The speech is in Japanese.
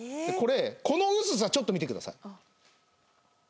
この薄さちょっと見てください。